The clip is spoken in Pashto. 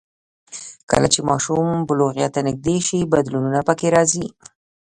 کله چې ماشوم بلوغیت ته نږدې شي، بدلونونه پکې راځي.